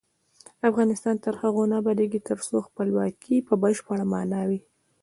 افغانستان تر هغو نه ابادیږي، ترڅو خپلواکي په بشپړه مانا وي.